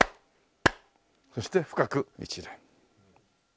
そして深く一礼。